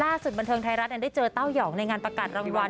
ล่าสุดบันเทืองไทยรัฐเนี่ยได้เจอเต้าหย่องในงานประกาศรางวัล